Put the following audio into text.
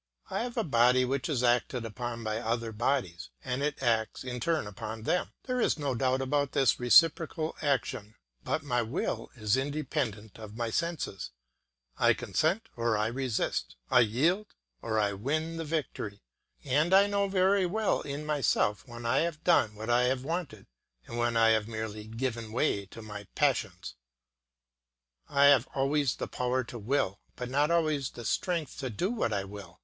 I have a body which is acted upon by other bodies, and it acts in turn upon them; there is no doubt about this reciprocal action; but my will is independent of my senses; I consent or I resist; I yield or I win the victory, and I know very well in myself when I have done what I wanted and when I have merely given way to my passions. I have always the power to will, but not always the strength to do what I will.